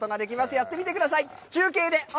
やってみてください。